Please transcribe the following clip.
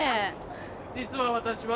実は私は。